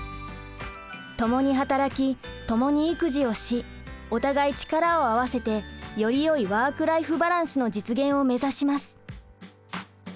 ともに働きともに育児をしお互い力を合わせてよりよいワーク・ライフ・バランスの実現を目指します。